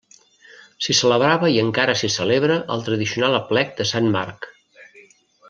S'hi celebrava i encara s'hi celebra el tradicional aplec de Sant Marc.